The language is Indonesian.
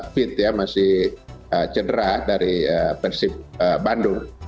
fit ya masih cedera dari persib bandung